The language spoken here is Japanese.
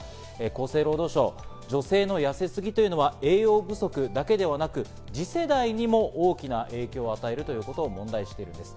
厚生労働省、女性は痩せすぎというのは栄養不足だけではなく、次世代にも大きな影響を与えるということを問題視しています。